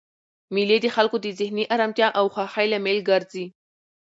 مېلې د خلکو د ذهني ارامتیا او خوښۍ لامل ګرځي.